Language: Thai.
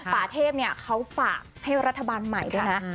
ป่าเทพเขาฝากให้รัฐบาลใหม่ด้วยนะ